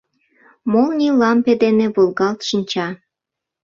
— Молний лампе дене волгалт шинча!